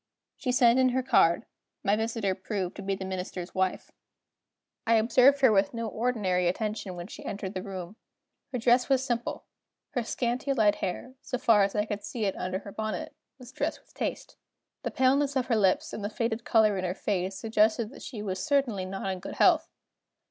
She sent in her card. My visitor proved to be the Minister's wife. I observed her with no ordinary attention when she entered the room. Her dress was simple; her scanty light hair, so far as I could see it under her bonnet, was dressed with taste. The paleness of her lips, and the faded color in her face, suggested that she was certainly not in good health.